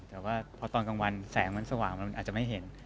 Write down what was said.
แต่ว่าพอตอนกลางวันแสงมันสว่างมันอาจจะไม่เห็น